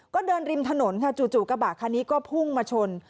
ก็เดินริมถนนค่ะจู่กระบะคันนี้ก็พุ่งมาชน